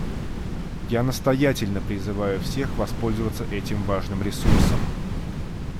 Я настоятельно призываю всех воспользоваться этим важным ресурсом.